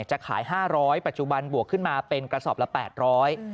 จะขาย๕๐๐กิโลกรัมปัจจุบันบวกขึ้นมาเป็นกระสอบละ๘๐๐กิโลกรัม